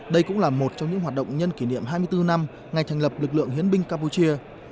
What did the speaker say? đây cũng là một trong những hoạt động nhân kỷ niệm hai mươi bốn năm ngày thành lập lực lượng hiến binh campuchia